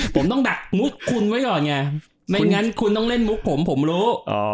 ผมต้องดักมุกคุณไว้ก่อนไงไม่งั้นคุณต้องเล่นมุกผมผมรู้